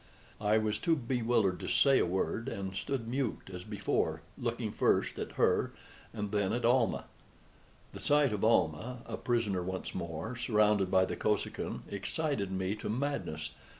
I was too bewildered to say a word, and stood mute as before, looking first at her and then at Almah. The sight of Almah a prisoner once more, surrounded by the Kosekin, excited me to madness.